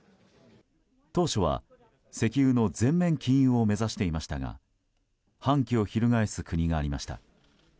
当初は石油の全面禁輸を目指していましたが反旗を翻す国がありました。